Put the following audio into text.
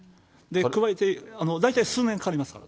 加えて、大体数年かかりますから。